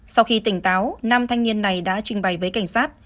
sau khi tỉnh táo nam thanh niên này đã trình bày với cảnh sát